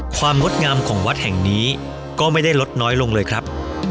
งดงามของวัดแห่งนี้ก็ไม่ได้ลดน้อยลงเลยครับ